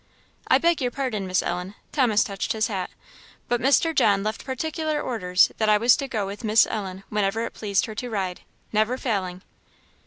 "I beg your pardon, Miss Ellen (Thomas touched his hat) but Mr. John left particular orders that I was to go with Miss Ellen whenever it pleased her to ride; never failing."